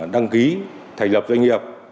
đăng ký thành lập doanh nghiệp